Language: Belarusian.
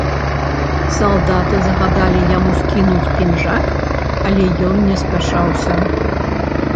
Салдаты загадалі яму скінуць пінжак, але ён не спяшаўся.